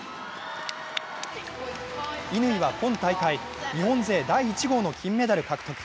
乾は今大会日本勢第１号の金メダル獲得。